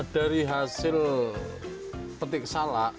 dari hasil petik salak